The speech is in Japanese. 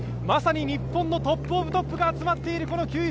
まさに日本のトップ・オブ・トップが集まっています。